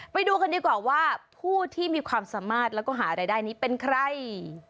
ไปดูกันดีกว่าว่าผู้ที่มีความสามารถแล้วก็หารายได้นี้เป็นใคร